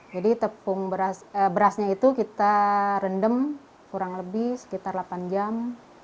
jadi tepung berasnya itu kita rendam kurang lebih sekitar delapan jam